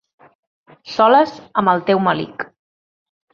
Soles amb el teu melic.